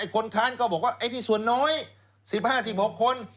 คนค้านก็บอกว่าไอ้ที่ส่วนน้อย๑๕๑๖คน